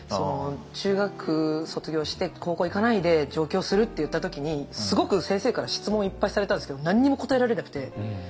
中学卒業して高校行かないで上京するって言った時にすごく先生から質問いっぱいされたんですけど何にも答えられなくて。